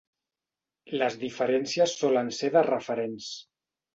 Les diferències solen ser de referents.